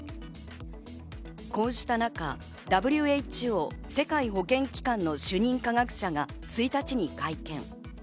こうした中、ＷＨＯ＝世界保健機関の主任科学者が１日に会見。